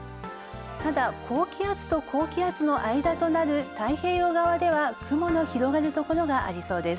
ただ、高気圧と高気圧の間となる太平洋側では雲の広がるところもありそうです。